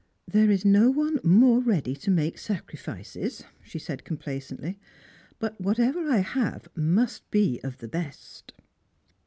" There is no one more ready to make sacrifices," she said complacently, " But whatever I have must be of the best."